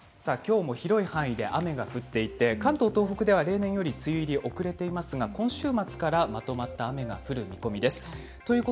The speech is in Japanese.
広い範囲できょうも雨が降っていて関東、東北では例年より梅雨入りが遅れていますが今週末からまとまった雨が降る見込みです。